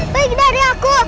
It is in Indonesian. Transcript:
balik dari aku